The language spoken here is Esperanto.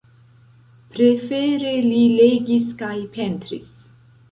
Prefere li legis kaj pentris.